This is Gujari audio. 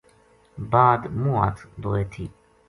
بعد منہ ہتھ دھوئے تھی